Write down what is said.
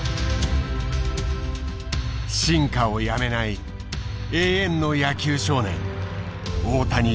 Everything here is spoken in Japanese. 進化をやめない永遠の野球少年大谷翔平。